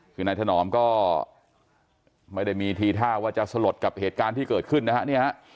คือนายถนอมก็ไม่ได้มีทีท่าว่าจะสลดกับเหตุการณ์ที่เกิดขึ้นนะฮะเนี่ยฮะ